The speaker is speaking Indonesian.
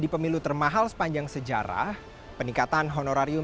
pemilu serentak dua ribu dua puluh